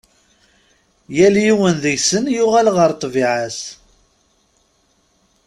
Yal yiwen deg-sen yuɣal ɣer ṭṭbiɛa-s.